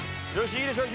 いいでしょう。